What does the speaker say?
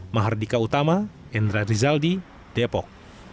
mahardika utama endra rizaldi depok